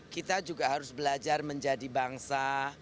kita juga harus belajar menjadi bangsa